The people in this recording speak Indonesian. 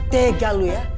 tega lu ya